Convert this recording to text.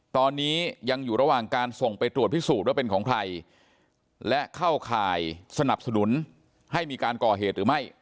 ตอนนี้ยังอยู่ระหว่างการส่งไปตรวจพิสูจน์ว่าเป็นของใครและเข้าข่ายสนับสนุนให้มีการก่อเหตุหรือไม่